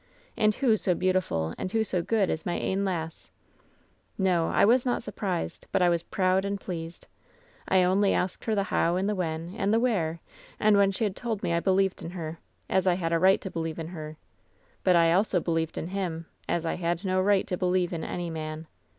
And who so beautiful and who so good as my ain lass ? "No. I was not surprised, but I was proud and pleased. I only asked her the how and the when, and the where, and when she had told me I believed in her, as I had a right to believe in her, but I also believed in him, as I had no right to believe in any man.